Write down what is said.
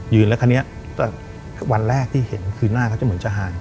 แล้วคราวนี้วันแรกที่เห็นคือหน้าเขาจะเหมือนจะห่าง